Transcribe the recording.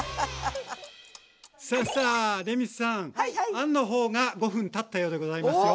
あんのほうが５分たったようでございますよ。